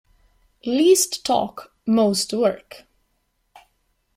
Least talk most work.